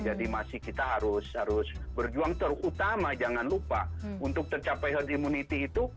jadi masih kita harus berjuang terutama jangan lupa untuk tercapai herd immunity itu